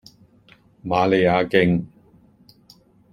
瑪利亞徑